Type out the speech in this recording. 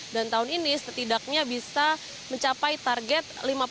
dan tahun ini setidaknya bisa mencapai target